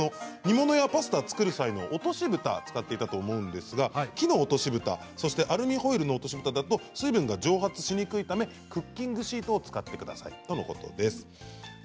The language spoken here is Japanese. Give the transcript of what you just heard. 煮物やパスタを作る際の落としぶたなんですが木の落としぶた、アルミホイルの落としぶたですと水分が蒸発しにくいためクッキングシートを使ってくださいとのことです。